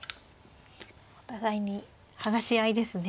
お互いに剥がし合いですね。